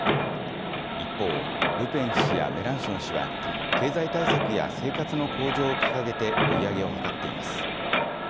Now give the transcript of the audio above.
一方、ルペン氏やメランション氏は、経済対策や生活の向上を掲げて追い上げを図っています。